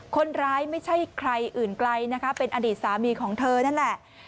คนร้ายไม่ใช่ใครอื่นใกล้เป็นอดีตสามีของเธอนั่นแหละ